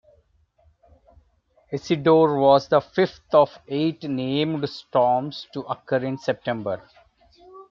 Isidore was the fifth of eight named storms to occur in September.